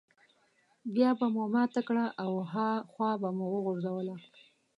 بيا به مو ماته کړه او هاخوا به مو وغورځوله.